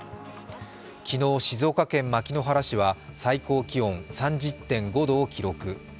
昨日、静岡県牧之原市は最高気温３０．５度を記録。